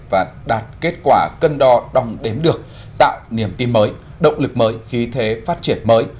và đạt kết quả cân đo đong đếm được tạo niềm tin mới động lực mới khí thế phát triển mới